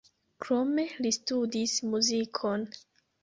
Krome li studis muzikon.